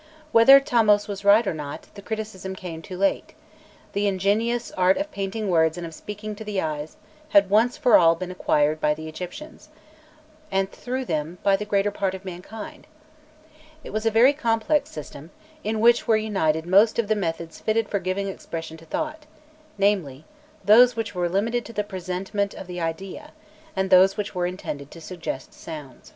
Whether Thamos was right or not, the criticism came too late: "the ingenious art of painting words and of speaking to the eyes" had once for all been acquired by the Egyptians, and through them by the greater part of mankind. It was a very complex system, in which were united most of the methods fitted for giving expression to thought, namely: those which were limited to the presentment of the idea, and those which were intended to suggest sounds.